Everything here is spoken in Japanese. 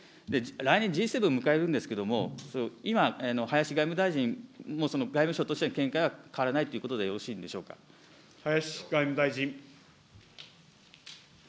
来年Ｇ７を迎えるんですけれども、今、林外務大臣も外務省としての見解は変わらないということでよろし林外務大臣。